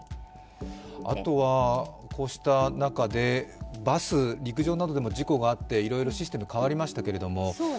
あとはこうした中で、バス陸上などでも事故があっていろいろシステム変わりましたけれども。